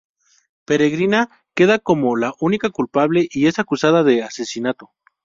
Peregrina queda como la única culpable y es acusada de asesinato.